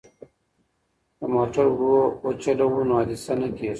که موټر ورو وچلوو نو حادثه نه کیږي.